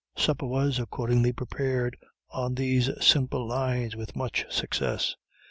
Supper was accordingly prepared on these simple lines with much success.